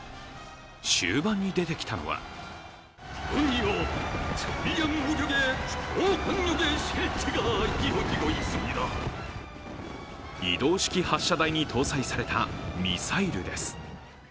終盤に出てきたのは移動式発射台に搭載されたミサイルです。